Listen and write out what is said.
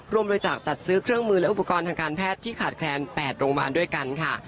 บริจาคจัดซื้อเครื่องมือและอุปกรณ์ทางการแพทย์ที่ขาดแคลน๘โรงพยาบาลด้วยกันค่ะ